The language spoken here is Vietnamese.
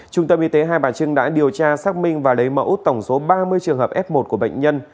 trung tâm y tế hai bà trưng đã điều tra xác minh và lấy mẫu tổng số ba mươi trường hợp f một của bệnh nhân